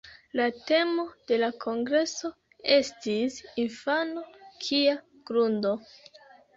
La temo de la kongreso estis "Infano: kia grundo!".